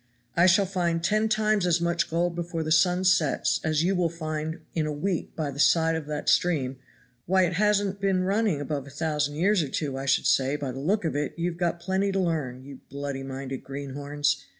I shall find ten times as much gold before the sun sets as you will find in a week by the side of that stream; why, it hasn't been running above a thousand years or two, I should say, by the look of it; you have got plenty to learn, you bloody minded greenhorns!